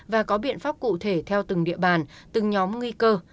và có biện pháp cụ thể theo từng địa bàn từng nhóm nguy cơ